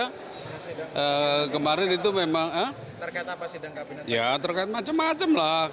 kemarin itu memang terkait macam macam lah